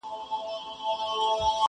o په سپين سر، کيمخا پر سر٫